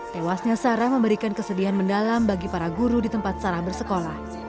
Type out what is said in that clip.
tewasnya sarah memberikan kesedihan mendalam bagi para guru di tempat sarah bersekolah